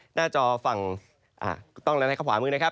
หน้าจอฝั่งต้องเรียกว่าขวามือนะครับ